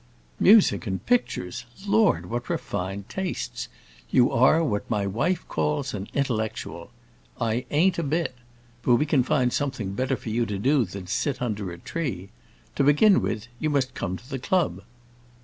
"Music and pictures! Lord, what refined tastes! You are what my wife calls intellectual. I ain't, a bit. But we can find something better for you to do than to sit under a tree. To begin with, you must come to the club."